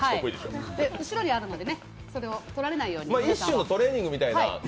後ろにあるので、それを取られないように。